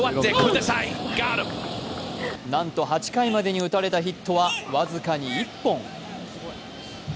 なんと８回までに打たれたヒットは僅かに１本。